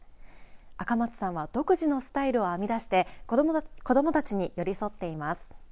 赤松さんは独自のスタイルを編み出して子どもたちに寄り添っています。